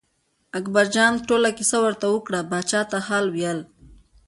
اکبرجان ټوله کیسه ورته وکړه پاچا ته حال ویل.